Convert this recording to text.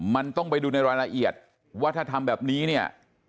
มันต้องไปดูในรายละเอียดว่าถ้าทำแบบนี้เนี่ย